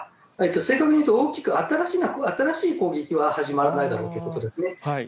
正確にいうと、大きく新しい攻撃は始まらないだろうということですね。